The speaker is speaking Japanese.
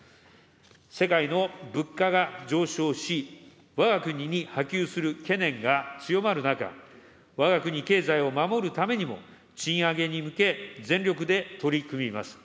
世界の物価が上昇し、わが国に波及する懸念が強まる中、わが国経済を守るためにも、賃上げに向け全力で取り組みます。